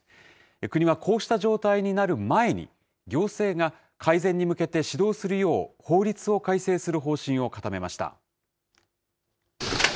国はこうした状態になる前に、行政が改善に向けて指導するよう、法律を改正する方針を固めました。